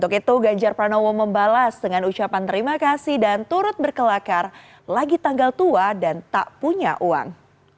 dan itu ganjar pranowo membalas dengan ucapan terima kasih dan turut berkelakar lagi tanggal tua dan tak punya uang